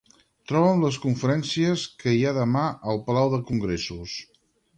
Troba'm les conferències que hi ha a demà al Palau de Congressos.